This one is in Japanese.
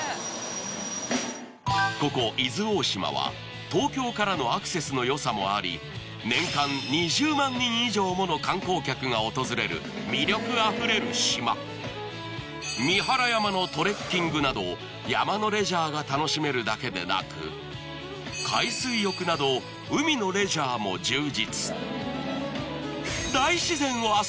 ここ伊豆大島は東京からのアクセスの良さもありが訪れる魅力あふれる島三原山のトレッキングなど山のレジャーが楽しめるだけでなく海水浴など海のレジャーも充実